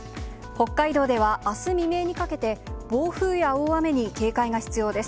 北海道ではあす未明にかけて、暴風や大雨に警戒が必要です。